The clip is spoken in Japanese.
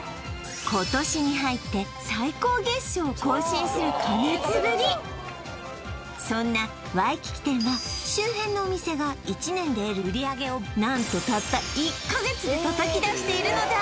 今年に入って最高月商を更新する過熱ぶりそんなワイキキ店は周辺のお店が１年で得る売上を何とたった１カ月で叩き出しているのだ